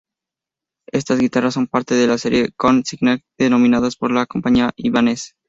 Estas guitarras son parte de la serie ""Korn Signature"" denominadas por la compañía Ibanez.